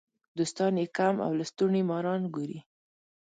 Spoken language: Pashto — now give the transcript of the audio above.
دوستان یې کم او لستوڼي ماران ګوري.